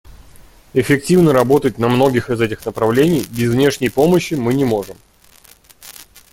Эффективно работать на многих из этих направлений без внешней помощи мы не можем.